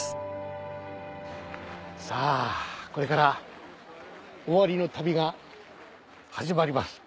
さぁこれから尾張の旅が始まります。